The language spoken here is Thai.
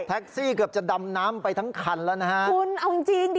เกือบจะดำน้ำไปทั้งคันแล้วนะฮะคุณเอาจริงจริงดิ